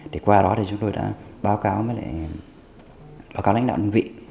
thì qua đó thì chúng tôi đã báo cáo với lại báo cáo lãnh đạo nhân vị